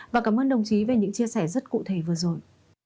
và cảm ơn đồng chí về những chia sẻ rất cụ thể vừa rồi